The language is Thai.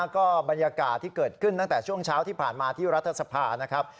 ก็บรรยากาศที่เกิดขึ้นตั้งแต่ช่วงเช้าที่ผ่านมาที่รัฐสภานะครับ